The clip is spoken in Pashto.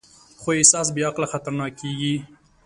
خو احساس بېعقله خطرناک کېږي.